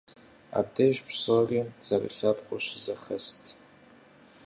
Абдеж псори зэрылъэпкъыу щызэхэст.